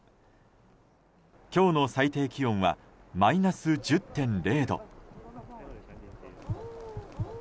今日の最低気温はマイナス１０．０度。